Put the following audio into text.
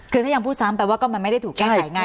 คือถ้ายังพูดซ้ำแปลว่าก็ไม่ได้ถูกแก้ไขไง